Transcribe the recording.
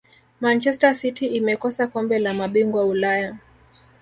manchester city imekosa kombe la mabingwa ulaya